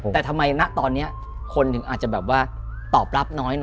แต่ทำไมณตอนนี้คนถึงอาจจะแบบว่าตอบรับน้อยหน่อย